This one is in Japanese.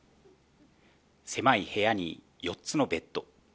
狭い部屋に４つのベッド。